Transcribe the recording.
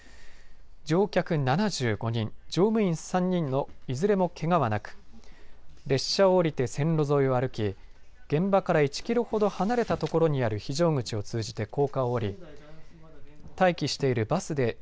乗客７５人乗務員３人のいずれも、けがはなく列車を降りて線路沿いを歩き現場から１キロ程離れたところにある非常口を通じて